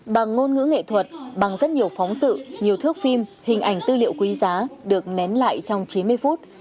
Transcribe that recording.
bằng ngôn ngữ nghệ thuật bằng rất nhiều phóng sự nhiều thước phim hình ảnh tư liệu quý giá được nén lại trong chín mươi phút